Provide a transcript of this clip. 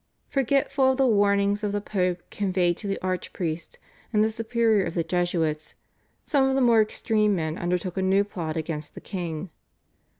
Forgetful of the warnings of the Pope conveyed to the archpriest and the superior of the Jesuits, some of the more extreme men undertook a new plot against the king.